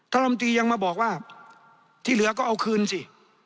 ลำตียังมาบอกว่าที่เหลือก็เอาคืนสิ